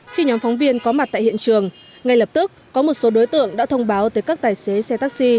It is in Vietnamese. khi nhóm phóng viên có mặt tại hiện trường ngay lập tức có một số đối tượng đã thông báo tới các tài xế xe taxi